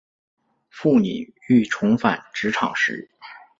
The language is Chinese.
妇女欲重返职场时